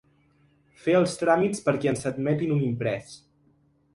Fer els tràmits perquè ens admetin un imprès.